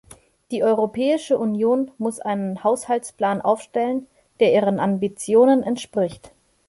Die Europäische Union muss einen Haushaltsplan aufstellen, der ihren Ambitionen entspricht.